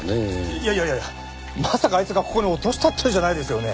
いやいやいやいやまさかあいつがここに落としたって言うんじゃないですよね？